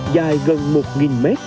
dài gần một nghìn m